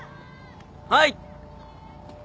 はい！